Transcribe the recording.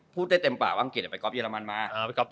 พูดได้เต็มป่าวว่าอังกฤษจะไปกอล์ฟเยอรมันมา